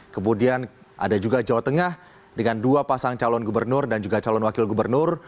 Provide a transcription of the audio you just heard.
kemudian ada juga jawa tengah dengan dua pasang calon gubernur dan juga calon wakil gubernur